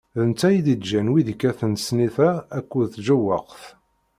D netta i d-iǧǧan wid ikkaten snitra akked tjewwaqt.